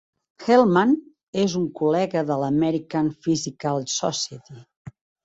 Hellman és un col·lega de l'American Physical Society.